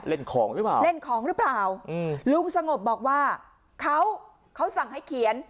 เล่นของหรือเปล่าเล่นของหรือเปล่าอืมลุงสงบบอกว่าเขาเขาสั่งให้เขียน